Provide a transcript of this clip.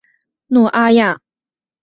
诺阿亚。